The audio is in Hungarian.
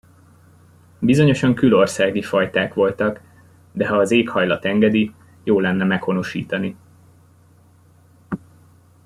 Bizonyosan külországi fajták voltak, de ha az éghajlat engedi, jó lenne meghonosítani.